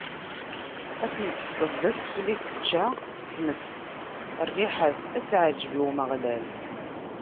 Ad ten-tefkeḍ d asfel i tečča tmes, rriḥa-s ad teɛǧeb i Umeɣlal.